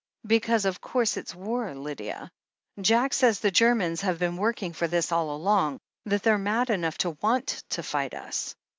"Because of course it's war, Lydia. Jack says the Germans have been working for this all along — ^that they're mad enough to want to fight us.